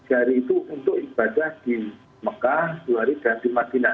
tiga hari itu untuk ibadah di mekah dua hari dan di madinah